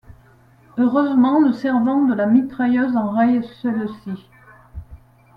Heureusement le servant de la mitrailleuse enraye celle-ci.